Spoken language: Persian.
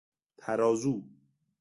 ترازو